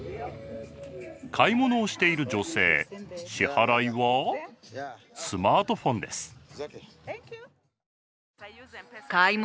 買い物をしている女性支払いはスマートフォンです。